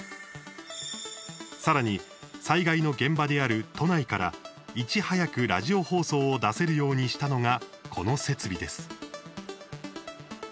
さらに災害の現場である都内からいち早くラジオ放送を出せるようにしたのがこの設備です。